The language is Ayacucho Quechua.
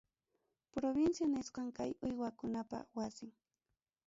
Provincia nisqam kay uywakunapa wasin.